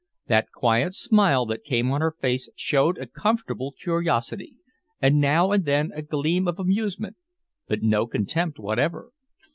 That quiet smile that came on her face showed a comfortable curiosity and now and then a gleam of amusement, but no contempt whatever.